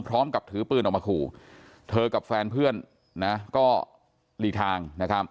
พร้อมกับถือปืนออกมาขู่เธอกับแฟนเพื่อนนะก็หลีกทางนะครับ